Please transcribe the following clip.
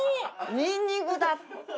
ニンニクだって。